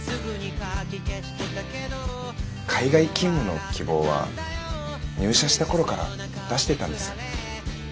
海外勤務の希望は入社した頃から出していたんです。